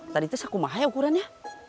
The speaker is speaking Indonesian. tadi itu saku mahaya ukurannya